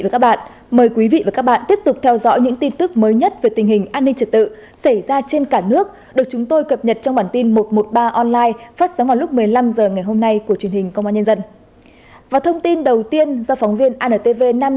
các bạn hãy đăng ký kênh để ủng hộ kênh của chúng mình nhé